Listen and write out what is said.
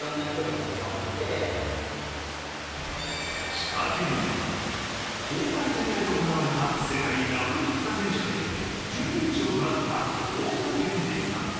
仕掛け人は本場イタリアで行われた世界ナポリピッツァ選手権で準優勝となった太田賢二さん。